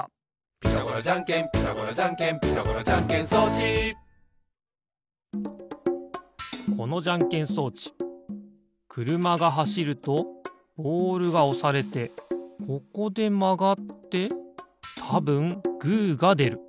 「ピタゴラじゃんけんピタゴラじゃんけん」「ピタゴラじゃんけん装置」このじゃんけん装置くるまがはしるとボールがおされてここでまがってたぶんグーがでる。